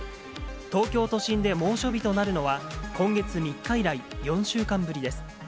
東京都心で猛暑日となるのは、今月３日以来、４週間ぶりです。